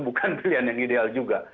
bukan pilihan yang ideal juga